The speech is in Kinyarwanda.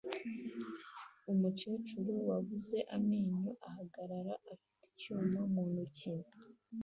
Umukecuru wabuze amenyo ahagarara afite icyuma mu ntoki